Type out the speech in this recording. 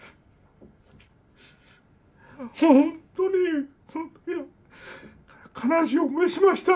本当に本当に悲しい思いしました。